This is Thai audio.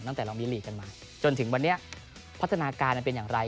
ตั้งแต่เรามีลีกกันมาจนถึงวันนี้พัฒนาการมันเป็นอย่างไร